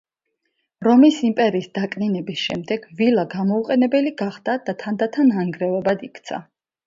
რომის იმპერიის დაკნინების შემდეგ, ვილა გამოუყენებელი გახდა და თანდათან ნანგრევებად იქცა.